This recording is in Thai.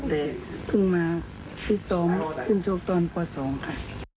แต่พึ่งมาพิสมชุกตอนปก๒ค่ะ